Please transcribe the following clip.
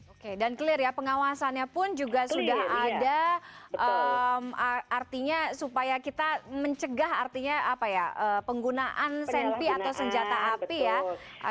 oke dan clear ya pengawasannya pun juga sudah ada artinya supaya kita mencegah artinya apa ya penggunaan senpi atau senjata api ya